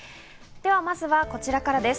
ではまずはこちらからです。